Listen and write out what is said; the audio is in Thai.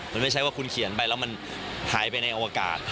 มันไม่ใช่ว่าคุณเขียนไปแล้วมันหายไปในอวกาศ